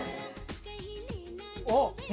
あっ！